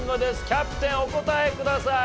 キャプテンお答えください。